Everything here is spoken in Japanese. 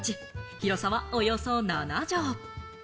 広さはおよそ７帖。